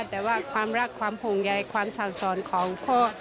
แต่ว่าความรักความห่วงใยความสั่งสอนของพ่อ